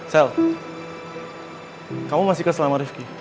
sel kamu masih kesel sama rifqi